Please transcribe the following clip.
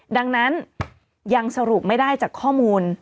ดังนั้นยังสรุปไม่ได้จากข้อมูล